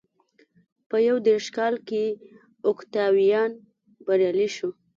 په یو دېرش کال کې اوکتاویان بریالی شو.